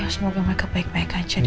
semoga mereka baik baik aja